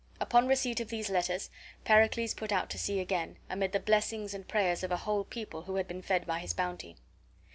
Upon receipt of these letters Pericles put out to sea again, amid the blessings and prayers of a whole people who had been fed by his bounty.